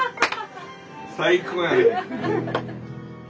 ・最高やね。